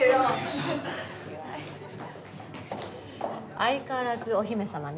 相変わらずお姫様ね。